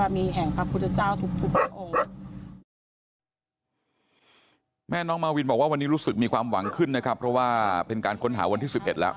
แม่น้องมาวินบอกว่าวันนี้รู้สึกมีความหวังขึ้นนะครับเพราะว่าเป็นการค้นหาวันที่๑๑แล้ว